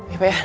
iya pak ya